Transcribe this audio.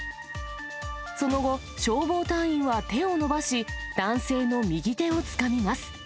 その後、消防隊員は手を伸ばし、男性の右手をつかみます。